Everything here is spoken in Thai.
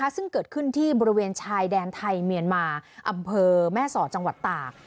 ซึ่งเกิดขึ้นที่บริเวณชายแดนไทยเมียนมาอำเภอแม่สอดจังหวัดตาก